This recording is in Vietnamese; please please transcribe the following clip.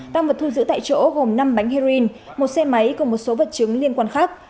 tăng vật thu giữ tại chỗ gồm năm bánh heroin một xe máy cùng một số vật chứng liên quan khác